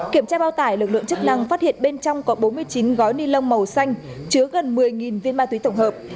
kiểm tra bao tải lực lượng chức năng phát hiện bên trong có bốn mươi chín gói ni lông màu xanh chứa gần một mươi viên ma túy tổng hợp